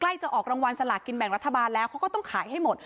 จะออกรางวัลสลากินแบ่งรัฐบาลแล้วเขาก็ต้องขายให้หมด